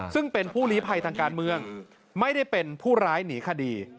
ซึ่งเป็นผู้ลีภัยทางการเมืองไม่ได้เป็นผู้ร้ายหนีคดี